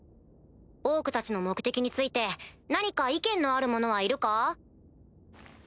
オークたちの目的について何か意見のある者はいるか？